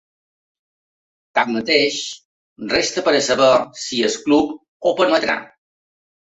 Tanmateix, resta per a saber si el club ho permetrà.